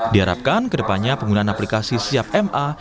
di harapkan kedepannya penggunaan aplikasi siapma